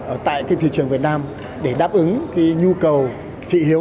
ở tại thị trường việt nam để đáp ứng nhu cầu thị hiếu